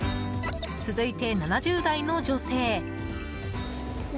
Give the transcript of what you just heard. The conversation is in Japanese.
続いて７０代の女性。